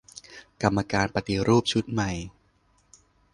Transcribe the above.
กรรมการปฏิรูปชุดใหม่